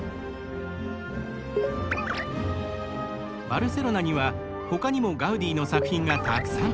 バルセロナにはほかにもガウディの作品がたくさん。